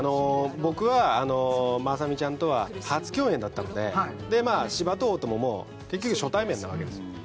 僕はまさみちゃんとは初共演だったのでまあ斯波と大友も結局初対面なわけですよ